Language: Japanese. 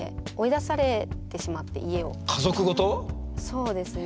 そうですね。